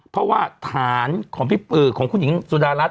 เพราะว่าฐานของคุณหญิงสุดารัฐ